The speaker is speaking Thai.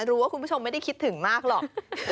คุณผู้ชมไม่ได้คิดถึงมากหรอก